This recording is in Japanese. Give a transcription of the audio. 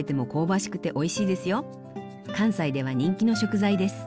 関西では人気の食材です。